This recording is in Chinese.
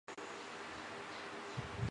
刺子莞属是莎草科下的一个属。